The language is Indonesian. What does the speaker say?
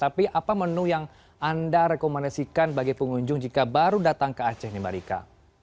tapi apa menu yang anda rekomendasikan bagi pengunjung jika baru datang ke aceh nih mbak rika